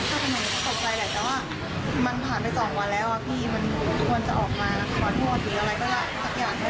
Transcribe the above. รู้เรื่องไม่ได้เลยคือเขาโดนชนแล้วเขาก็เสียหลักไปชนอีกทีหนึ่งนะคะ